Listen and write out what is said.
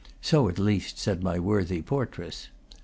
(So at least, said my worthy portress.)